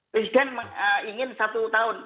presiden ingin satu tahun